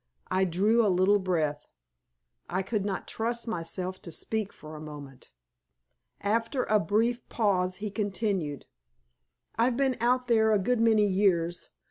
I drew a little breath, I could not trust myself to speak for a moment. After a brief pause he continued "I've been out there a good many years.